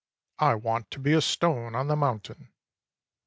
I want to be a stone on the mountain.